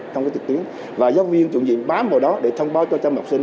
không có trực tuyến và giáo viên trụ nhiệm bám vào đó để thông báo cho trang mạng học sinh